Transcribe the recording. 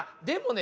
ね